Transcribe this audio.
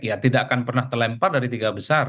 ya tidak akan pernah terlempar dari tiga besar